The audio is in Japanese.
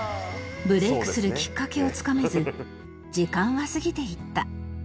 ブレイクするきっかけをつかめず時間は過ぎていった